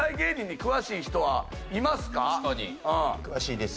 詳しいです。